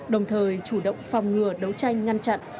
đồng thời chủ động phòng ngừa đấu tranh ngăn chặn